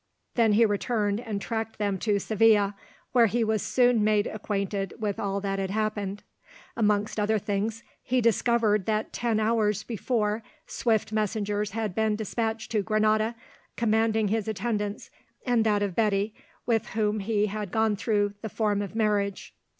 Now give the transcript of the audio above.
Then he returned and tracked them to Seville, where he was soon made acquainted with all that had happened. Amongst other things, he discovered that ten hours before swift messengers had been despatched to Granada, commanding his attendance and that of Betty, with whom he had gone through the form of marriage.